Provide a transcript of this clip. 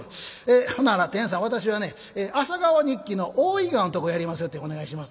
「ほなら天さん私はね『朝顔日記』の大井川のとこやりますよってお願いします」。